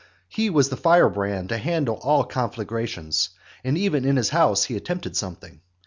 He was the firebrand to handle all conflagrations; and even in his house he attempted something.